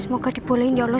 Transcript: semoga dibolehin ya allah